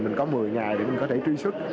mình có một mươi ngày để mình có thể truy xuất